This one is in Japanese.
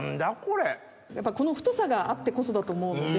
この太さがあってこそだと思うので。